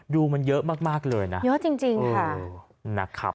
ดูมันเยอะมากเลยนะเยอะจริงค่ะ